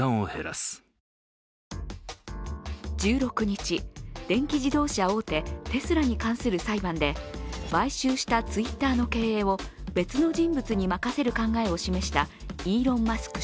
１６日、電気自動車大手、テスラに関する裁判で買収したＴｗｉｔｔｅｒの経営を別の人物に任せる考えを示したイーロン・マスク